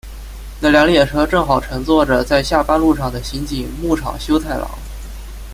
那辆列车正好乘坐着在下班路上的刑警木场修太郎。